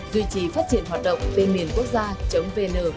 duy trì phát triển hoạt động tên miền quốc gia vn